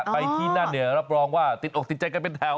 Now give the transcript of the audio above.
ไปที่นั่นเนี่ยรับรองว่าติดอกติดใจกันเป็นแถว